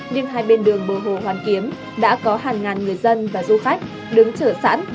nhưng hai bên đường bờ hồ hoàn kiếm đã có hàng ngàn người dân và du khách đứng chờ sẵn